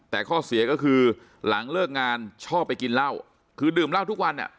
แต่ข้อเสียก็คือหลังเลิกงานชอบไปกินเหล้าคือดื่มเหล้าทุกวันอ่ะ